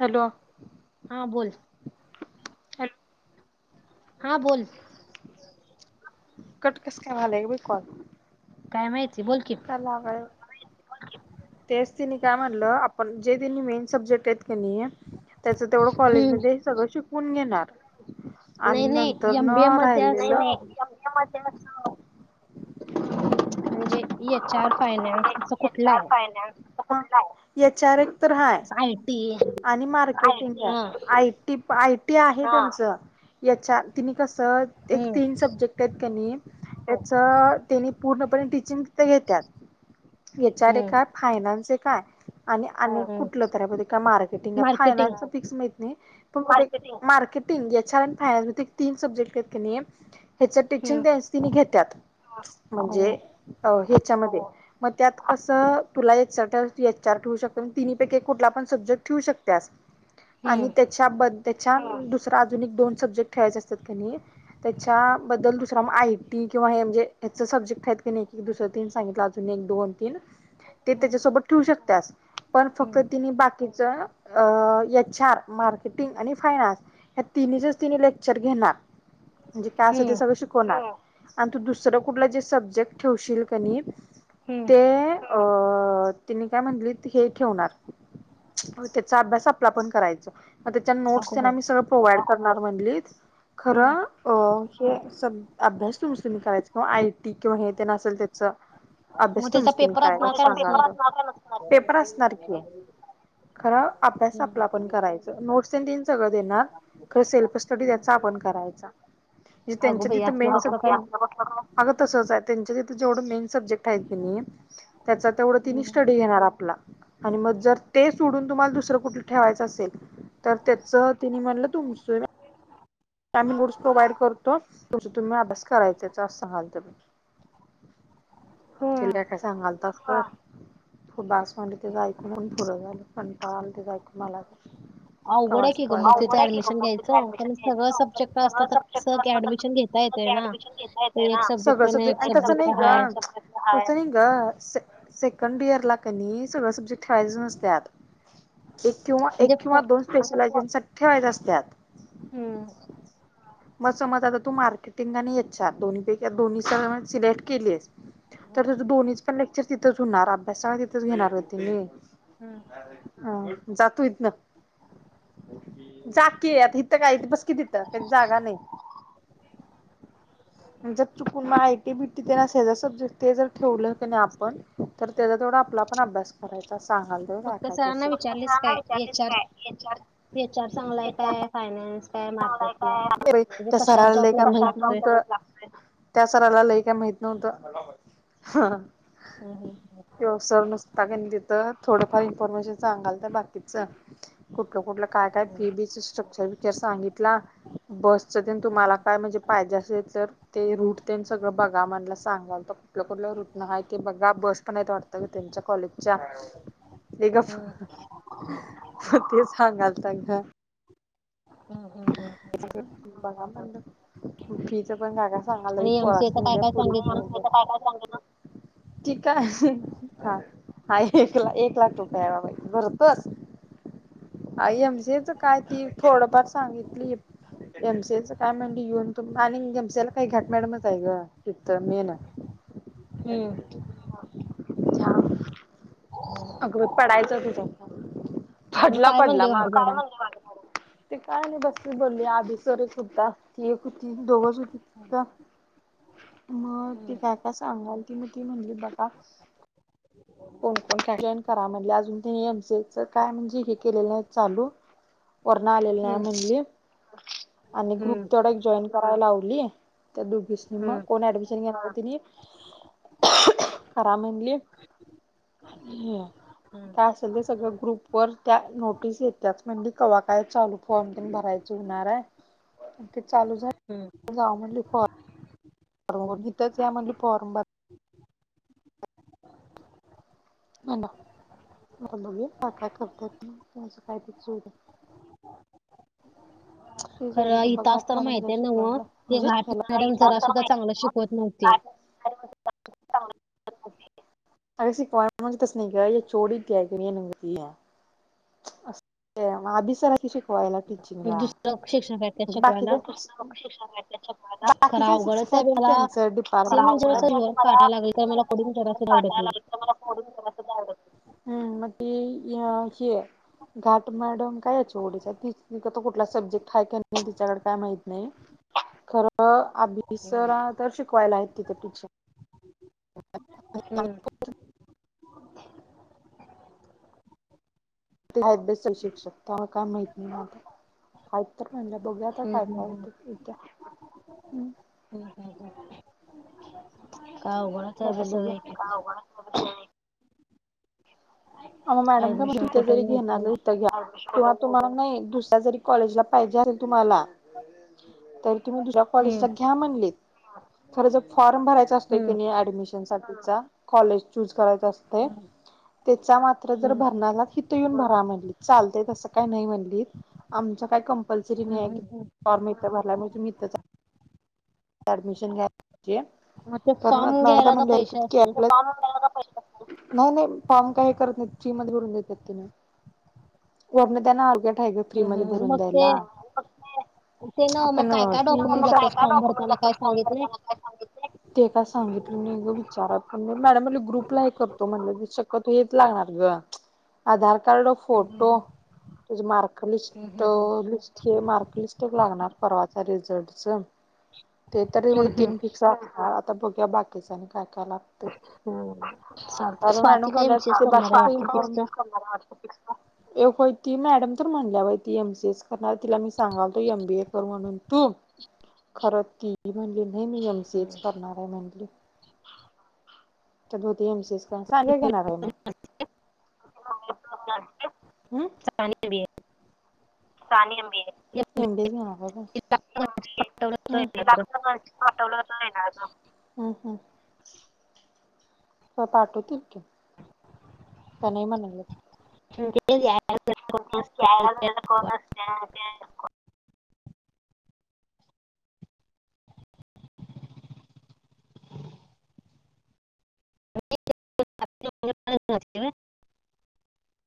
Hello हा बोल ह हा बोल कट कस [unintelligible] कॉल काय माहित [unintelligible] तेच तिनी काय म्हनलं आपण जे तिनी मेन सब्जेक्ट आहेत. नाही त्याच तेवढं कॉलेज हम्म मध्ये सगळं शिकवून घेणार. आणि नाही नाही नंतर एम ना बी ए मध्ये राहिले. असं [inaudible] [unintelligible] चार एच आर फायनान्स हं [unintelligible] एच आर तर हाय [unintelligible] आणि मार्केटिंग हा [unintelligible] आयटी [unintelligible] ते आहे तुमचं याच्या [unintelligible] तुम्ही कस त एक हम्म तीन सब्जेक्ट आहेत का नी त्याच- त्यांनी पूर्णपणे टीचिंग हम्म [unintelligible] [unintelligible] फायनान्स [unintelligible] का आणि आणि हम्म कुठलं [unintelligible] marketing फायनान्सच [unintelligible] [unintelligible] marketing H R finance तीन सब्जेक्ट आहेत की नाही ह्याच हम्म टीचिंग [unintelligible] घेतात हम्म म्हणजे- ह्याच्यामध्ये मग त्यात असं तुला एक [unintelligible] तिनहीपैकी कुठला पण सब्जक्ट ठेवू शकतेस हम्म आणि त्याच्याब त्याच्या दुसरा अजून एक दोन सब्जेक्ट ठेवायचे असतात क नाही त्याच्याबद्दल दुसरा आयटी किंवा हे म्हणजे ह्याच सब्जेक्टेत क एक एक दुसरं तीन सांगितलं अजून एक दोन तीन ते हम्म त्याच्यासोबत ठेवू शकतो असं पण फक्त हम्म तिने बाकी याच्यात मार्केटिंग आणि फायनान्स ह तिनचच ति लेक्चर घेणार म्हणजे काय असं ते हम्म सगळं शिकवणार आणि तू दुसरं कुठला जे सब्जेक्ट ठेवशील क हम्म. ते अ तिने काय म्हटली हे ठेवणार हो त्याचा अभ्यास आपला पण करायचा म त्याच्या नो्स अगो त्यांना बाई आही सगळ प्रोवाइड करणार म्हणलीच हम्म खरं अ हे अभ्यास तुम तुम्ही करायच किंवा आयटी किंवा हे ते नसेल त्याच मग अभ्यास त्याचा तुमच तुम्ही पेपर काय का असणार नसणार सांगाणार पेपर असणार की खर अभ्यास आप हम्म. आपण करायच नोटस त सगळं देणारर सेल्फ स्टडी त्या आपण करायचा म्ह त्यां अगो बाई असलं कसलं काय तथे स तसच जवढ मे सब्जेक्टआहे त्याचा तेवढ ति हम्म स्टडी घेणार आपला आणि मग जर सोडून तुम्हाला दुसरं कुठे ठेवायचं असेल तर त्याच ति म्हणलं तुमच आम्ही नोट्स प्रोव्हाइड करतो त तुम्ही अभ्यास करायचाचा अस सां म्हलत मी हम्म. चिल्या काय सांगालतात का बास म्हणलं तेझ ऐकू म्हणून पुरं झालं कंटाळा आला तर ऐकून मला बी अवघड कवा आहे की ग शिकवायचं मग तिचं ऍडमिशन घ्यायचं कारण सगळं सब्जेक्ट असलं तर कस क ऍडमिशन घेता येते ना ते एक सब्जेक्ट सगळं न एक आणि तसं सब्जेक्ट नाही ग आहे सब्जेक्टला एक सब्जेक्टला तसं नाही ग सेकंड इयर ला कनी सगळं सब्जेक्ट ठेवायच त्यात नसत्यात एक किंवा एक म्हणजे किंवा फ- दोन स्पेशल सठेवा्हात असत्यात हम्म मग समज आता तू मार्केटिंग आणि एच आर दोन्ही पैकी दोन्ही सिलेक्ट केली आहेस तर त दोन्हीच प तिथंच होणार अभ्यास सगळा तिथंच घेणार होते मी हम्म. हा जातो इथ न जाकी आता इथं काय बसकी तिथं जागा नाही जर चुकून आयटी बीटी स्जेक्ट जर ठेवलं नाही आपण तर त्याचा तेढा आपला पण अभ्यास करायचा अस मग त्या विचारलीस सरांना काय एच विचारलीस आर काय एच आर एच आर चांगला आहे एच आर काय फायनान्स काय मार्केटिंग म्हणजे त्या कशात सराला लय जॉब काय लगेच माहित लागतोय नव्हतं त्या सराला लही काय माहित नव्हतं हम्म, त्यो सर नुसता कनई तिथं थोडंफार इन्फॉर्मेशन सांगालता बाकीच कुठलं कुठलं कायकाय फी बीच स्ट्रक्चर तला बसच तेन तुमाला काय म्हणजे पाहिजे असेल तर ते रूट तेन सगळं बघा म्हणला सांगालता आपलं कुठलं रूट न आहे ते बघा बस पण आहेत वाटतं ग त्यांच्या कॉलेजच्या ए हम्म, हम्म, गप्प ते सांगालता ग हम्म, हम्म, हम्म. बघा म्हणल फीच पण काय काय सांगालता आणि एमसीए चं पोरासनी काय उद्या काय पुरीच सांगितलं तेन ठीक आहे हा, हा एक ला एक लाख रुपये आहे बाबा भरतोस आय एमसीएच काय ती थोडंफार सांगितली एमसीएच काय म्हणजे येऊन तु आणि एमसीला काय घाट मॅडमच आहे ग तिथं मेन हम्म छा अगं बाई पडायचं तिथं [unintelligible] मग पडला काय पडला म्हणली माझ वाट मॅडम काय ते काय नाही बसते बोलली, आधी सरच होता. एक होती दोघच होती तिथं. मग हम्म, ती काय काय सांगालती, म ती म्हणली बघा. कोण कोण [unintelligible] करा म्हणली. अजून तेनी एम सी ए च काय हे म्हणजे हे केलेलं नाही चालू. वर्ण आलेल नाही हम्म, म्हटली. [unintelligible] आणि ग्रुप हम्म, तेवडा एक जॉईन करायला लाव ली. त्या दोघीसनी मग, हम्म, कोण एडमि [unintelligible] करा म्हणलीत [unintelligible] हम्म, काय असेल ते सगळं ग्रुपवर त्या नोटीस येत्याच म्हणली कवा काय चालू फॉर्म तेन भरायचे हुणार आहे आणि ते चालू झालं हम्म. की जावा म्हणली फॉर्म [unintelligible] इथंच या म्हणली फॉर्म [unintelligible] [unintelligible] मग बघू काय काय करतात ते [unintelligible] ते जाऊ दे खरं [unintelligible] इथं असताना माहितीये ना मग शिकवायला ते म्हणजे घाट ह्याला [unintelligible] मॅडम जरा सुद्धा चांगलं शिकवत नव्हते [unintelligible] अगं शिकवायला म्हणजे तसं नाही गं एच ओ डी [unintelligible] [unintelligible] म अभी सर आहे की शिकवायला म्हणजे टिचिंगला दुसरं शिक्षक आहेत त्या [unintelligible] शिकवायला बाकीचं शिक्षक खरं अवघडच आहे आहेत की मला त्यांचं से डिपार्टमेंटच म्हणजे असं जीवन काढायला लागले तर मला कोडिंग जरा सुद्धा आवडत नाही. [unintelligible] हम्म मग ती अ हे घाट मॅडम काय एच ओ डी च आहे ती ती तर कुठला सब्जेक्ट हाय काय नाही तिच्याकडे काय माहित? नाही खरं अभी सर तर शिकवायला आहेत तिथे टीचर हम्म. [unintelligible] शिक्षक त्यामुळं काय माहित नाही आता हाईत तर म्हणल्या बघूया आता काय काय होतंय येत्या. हम्म. काय अवघडच [unintelligible] आहे बाई आता सगळं एक बघूया एक [unintelligible] [unintelligible] मॅडम [unintelligible] ऍडमिशन कुठं घेणार मिळते. आहे इथं घ्या [unintelligible] तुम्हाला नाही, दुसऱ्या जरी कॉलेजला पाहिजे असेल तुम्हाला तरी. तुम्हीं दुसऱ्या कॉलेजला घ्या म्हणलीत, खर जर फॉर्म भरायचा असतोय कनी ऍडमिशन साठी. जा कॉलेज चूज. करायाच असतय तेच. त्या मात्र जर भरणार आहात हिथ येऊन भरा म्हणलीत, चालतय तस काय नाही म्हणलीत, आमच काय कंपल्सरी नाही कि फॉर्म इथ भरला म्हणजे तुम्ही इथच अडमिशन घ्या. घ्याय मग ते फॉर्म घ्यायला का पैसे पाहिजे असेल. नाही-नाही फॉर्म काय हे करत नाहीत, चिप मध्ये भरून देतात तेंनी, वरण त्यांना अर्जेंट. काय ग फ्री मध्ये भरून मग द्यायला ते ते ना मग आपन काय काय सी ए टी डॉक्युमेंट काय लागतात काय फॉर्म डाकुमेंट. भरताना काय काचार सांगितलंय? म गप तेच लागणार ग आधार. कार्ड फोटो म्ह मार्कलिस्ट लि हे मार्कलिस्ट एक लागणार परवाच र च ते तररी तीन फिक्स बग्या बाकी सां लागते चालतंय कारण स्वाती काय एमसीएस करणार आहे वाटतं फिक्स अुे ती मॅडम तर म्हणल्या बा ती एम सी एस करणार तिला मी सांगालतो एम बी ए करू म्हणून तू खरं. क म्हणले मी एमसीएच करणार आहे म्हणली. त ीमस का चांग घेणार काय मग इलू स आहे तालीम मट तर? हो पाठवते की त्या नाही म्हणाले ह केरळ को स्ट [inaudible]